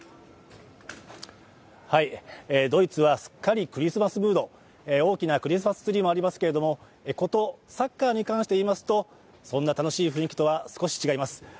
ドイツは、すっかりクリスマスムード、大きなクリスマスツリーもありますけどもことサッカーに関してはそんな楽しい雰囲気とは違います。